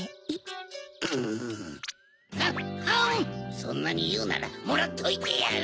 そんなにいうならもらっといてやる！